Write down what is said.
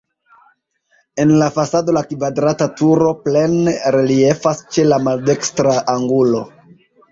En la fasado la kvadrata turo plene reliefas ĉe la maldekstra angulo.